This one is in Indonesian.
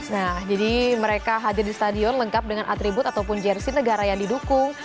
nah jadi mereka hadir di stadion lengkap dengan atribut ataupun jersi negara yang didukung